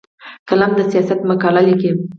قلم د سیاست مقاله لیکي